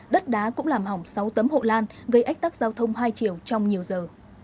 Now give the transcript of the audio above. đất đá cũng làm hỏng sáu tấm hộ lan gây ách tắc giao thông hai triệu trong nhiều giờ